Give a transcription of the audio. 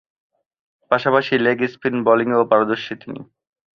পাশাপাশি leg spin বোলিংয়েও পারদর্শী তিনি।